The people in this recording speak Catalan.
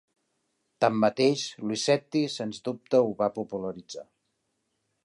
Tanmateix, Luisetti sens dubte ho va popularitzar.